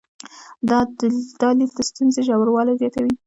دا لید د ستونزې ژوروالي زیاتوي.